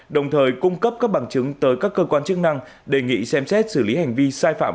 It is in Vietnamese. đồng thời cung cấp các bằng chứng tới các cơ quan chức năng đề nghị xem xét xử lý hành vi sai phạm